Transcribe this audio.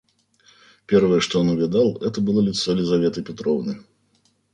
Первое, что он увидал, это было лицо Лизаветы Петровны.